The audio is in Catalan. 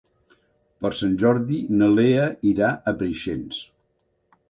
Per Sant Jordi na Lea irà a Preixens.